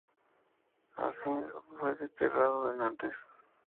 Al fin, fue desterrado a Nantes.